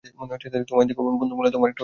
তোমায় দেখে মনে হলো, তোমার একটা বন্ধু দরকার।